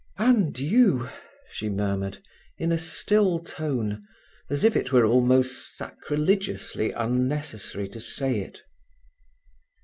"And you," she murmured, in a still tone, as if it were almost sacrilegiously unnecessary to say it.